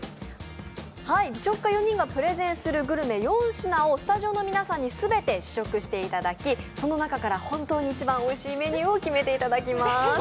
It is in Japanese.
美食家４人がプレゼンするグルメ４品を全て試食していただき、その中から本当に一番おいしいメニューを決めていただきます。